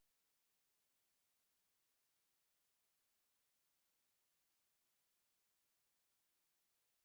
nah saya tidak bisa menjadi ketua tim sukses atau tim pemenangan ideologi pancasila